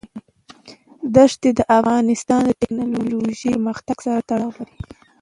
دښتې د افغانستان د تکنالوژۍ د پرمختګ سره تړاو لري.